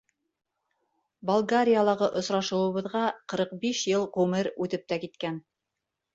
Болгариялағы осрашыуыбыҙға ҡырҡ биш йыл ғүмер үтеп тә киткән!